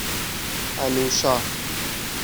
اَنوشا